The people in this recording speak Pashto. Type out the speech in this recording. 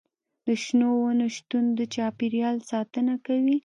د شنو ونو شتون د چاپیریال ساتنه کوي.